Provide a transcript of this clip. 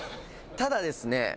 「ただですね